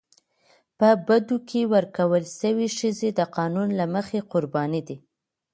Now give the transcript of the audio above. په بدو کي ورکول سوي ښځي د قانون له مخي قرباني دي.